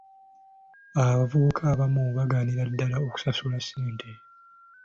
Abavubuka abamu bagaanira ddaala okusasula ssente.